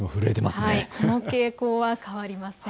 この傾向は変わりません。